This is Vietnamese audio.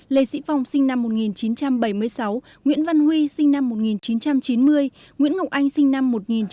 lê sĩ phong sinh năm một nghìn chín trăm bảy mươi sáu nguyễn văn huy sinh năm một nghìn chín trăm chín mươi nguyễn ngọc anh sinh năm một nghìn chín trăm tám mươi